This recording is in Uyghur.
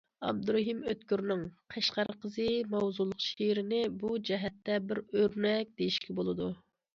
ئابدۇرېھىم ئۆتكۈرنىڭ« قەشقەر قىزى» ماۋزۇلۇق شېئىرىنى بۇ جەھەتتە بىر ئۆرنەك دېيىشكە بولىدۇ.